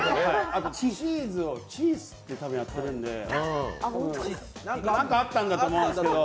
あと、チーズをチースってやってるんで、何かあったんかと思うんですけど。